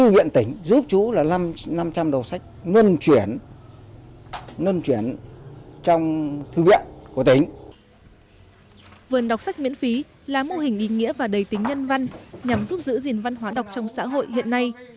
vườn đọc sách miễn phí là mô hình ý nghĩa và đầy tính nhân văn nhằm giúp giữ gìn văn hóa đọc trong xã hội hiện nay